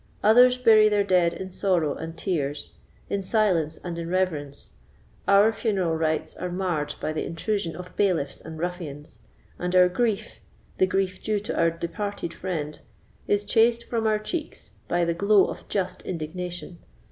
Others bury their dead in sorrow and tears, in silence and in reverence; our funeral rites are marred by the intrusion of bailiffs and ruffians, and our grief—the grief due to our departed friend—is chased from our cheeks by the glow of just indignation.